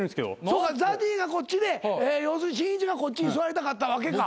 そうかＺＡＺＹがこっちで要するにしんいちがこっちに座りたかったわけか。